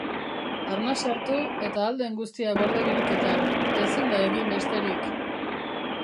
Arnasa hartu eta ahal den guztia gorde biriketan, ezin da egin besterik.